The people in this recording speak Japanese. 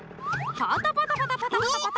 パタパタパタパタパタパタ。